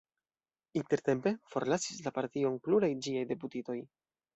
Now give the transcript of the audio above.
Intertempe forlasis la partion pluraj ĝiaj deputitoj.